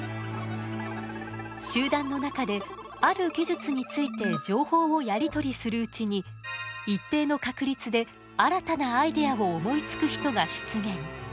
集団の中である技術について情報をやり取りするうちに一定の確率で新たなアイデアを思いつく人が出現。